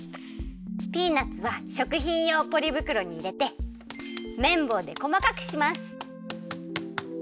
ピーナツはしょくひんようポリぶくろにいれてめんぼうでこまかくします。